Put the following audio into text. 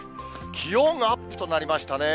気温アップとなりましたね。